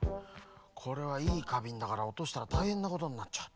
これはいいかびんだからおとしたらたいへんなことになっちゃう。